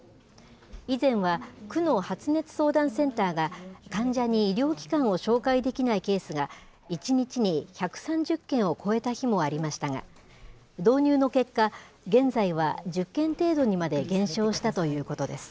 以前は、区の発熱相談センターが、患者に医療機関を紹介できないケースが、１日に１３０件を超えた日もありましたが、導入の結果、現在は１０件程度にまで減少したということです。